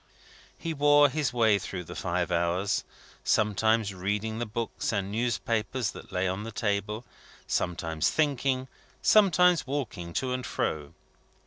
He wore his way through the five hours: sometimes reading the books and newspapers that lay on the table: sometimes thinking: sometimes walking to and fro.